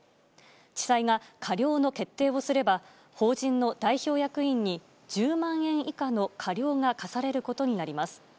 地裁が過料の決定をすれば法人の代表役員に１０万円以下の過料が科されることになります。